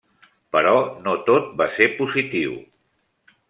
Però no tot va ser positiu.